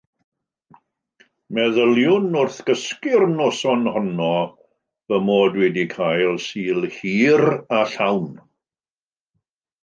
Meddyliwn wrth gysgu'r noson honno fy mod wedi cael Sul hir a llawn.